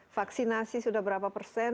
vaksinasi sudah berapa persen